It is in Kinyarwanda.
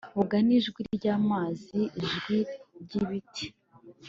Vuga nijwi ryamazi ijwi ryibiti